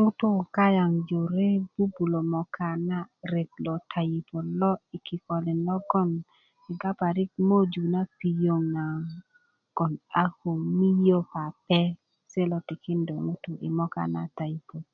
ŋutu kayaŋ jore bubulö moka na ret lo taypot i kikölin logon kega parik moju na pioŋ nagon a ko miyö pape se lo tikindu ŋutu i moka na tayipot